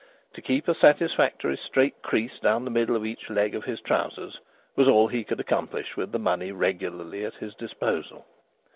To keep a satisfactory straight crease down the middle of each leg of his trousers was all he could accomplish with the money regularly at his disposal.